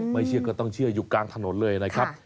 ไม่เชื่อก็ต้องเชื่ออยู่กลางถนนเลยนะครับ